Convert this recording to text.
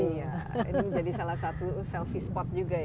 iya ini menjadi salah satu selfie spot juga ya